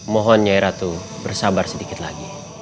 mohonnya ratu bersabar sedikit lagi